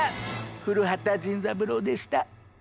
古畑ジンズ三郎でした。